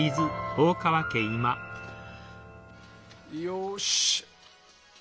よし。